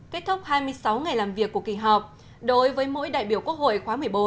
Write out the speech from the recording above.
kết thúc hai mươi sáu ngày làm việc của kỳ họp đối với mỗi đại biểu quốc hội khóa một mươi bốn